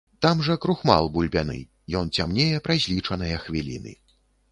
Там жа крухмал бульбяны, ён цямнее праз лічаныя хвіліны.